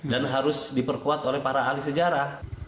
dan harus diperkuat oleh para ahli sejarah